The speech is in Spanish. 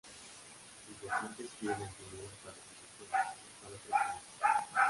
Sus votantes quieren el dinero para sus escuelas, no para otros países.